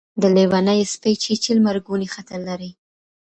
د لېوني سپي چیچل مرګونی خطر لري.